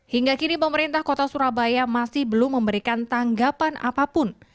hingga kini pemerintah kota surabaya masih belum memberikan tanggapan apapun